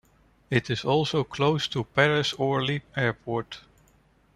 It is also close to Paris-Orly Airport.